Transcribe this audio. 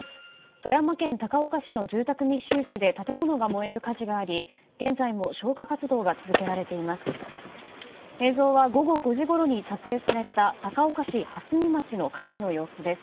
富山県高岡市の住宅密集地で建物が燃える火事があり現在も消火活動が続けられています。